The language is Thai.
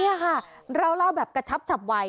นี่ค่ะเราเล่าแบบกระชับฉับไว